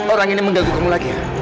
orang ini mengganggu kamu lagi